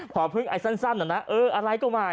พอพึ่งไอ้สั้นหน่อยนะเอออะไรก็มาย